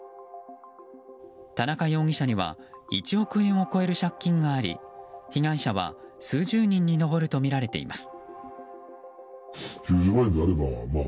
田中容疑者には１億円を超える借金があり被害者は数十人に上るとみられています。